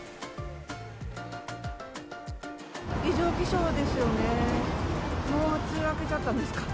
異常気象ですよね。